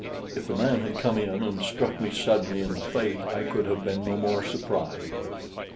If the man had come in and struck me suddenly in the face, I could have been no more surprised.